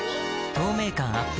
透明感アップ